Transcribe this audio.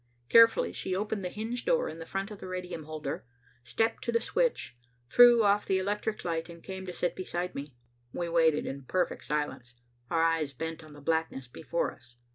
Carefully she opened the hinged door in the front of the radium holder, stepped to the switch, threw off the electric light, and came to sit beside me. We waited in perfect silence, our eyes bent on the blackness before us.